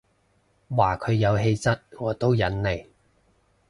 話佢有氣質我都忍你